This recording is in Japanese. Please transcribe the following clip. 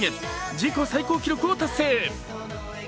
自己最高記録を達成。